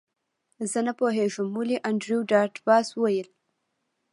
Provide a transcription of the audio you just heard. زه نه پوهیږم ولې انډریو ډاټ باس وویل